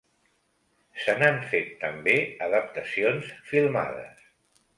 Se n'han fet també adaptacions filmades.